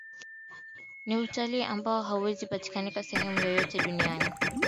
Ni utalii ambao hauwezi kupatikana sehemu yoyote duniani